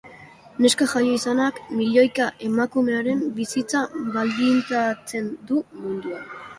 Neska jaio izanak milioika emakumearen bizitza baldintzatzen du munduan.